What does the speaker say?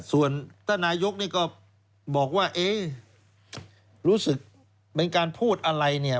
ส่วนท่านนายกนี่ก็บอกว่าเอ๊ะรู้สึกเป็นการพูดอะไรเนี่ย